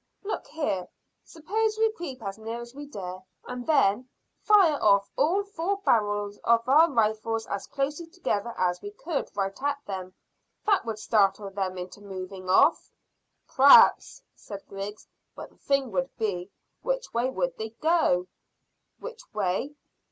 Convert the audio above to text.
"Look here; suppose we creep as near as we dare, and then fire off all four barrels of our rifles as closely together as we could, right at them. That would startle them into moving off." "P'r'aps," said Griggs; "but the thing would be, which way would they go?" "Which way?